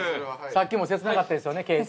さっきも切なかったですよね。